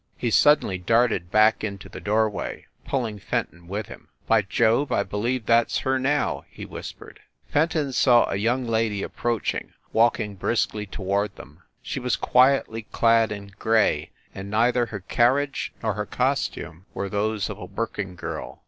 He suddenly darted back into the doorway, pulling Fenton with him. "By Jove, I believe that s her, now !" he whispered. Fenton saw a young lady approaching, walking briskly toward them. She was quietly clad in gray, and neither her carriage nor her costume were those of a working girl.